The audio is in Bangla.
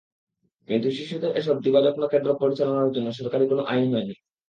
কিন্তু শিশুদের এসব দিবাযত্ন কেন্দ্র পরিচালনার জন্য সরকারি কোনো আইন হয়নি।